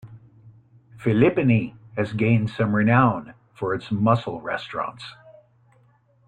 Philippine has gained some renown for its mussel restaurants.